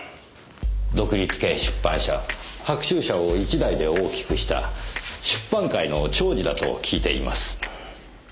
独立系出版社白秋社を一代で大きくした出版界の寵児だと聞いています。